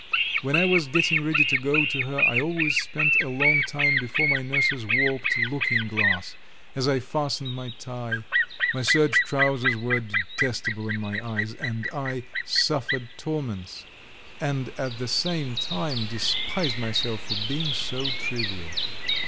When I was getting ready to go to her I always spent a long time before my nurse's warped looking glass, as I fastened my tie; my serge trousers were detestable in my eyes, and I suffered torments, and at the same time despised myself for being so trivial.